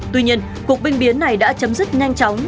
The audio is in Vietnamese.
tuy nhiên cuộc binh biến này đã chấm dứt nhanh chóng